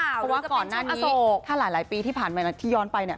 เพราะว่าก่อนหน้านี้ถ้าหลายปีที่ผ่านมาที่ย้อนไปเนี่ย